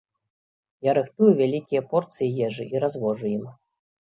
Я рыхтую вялікія порцыі ежы і развожу ім.